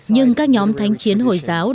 nhưng các nhóm thanh chiến hồi giáo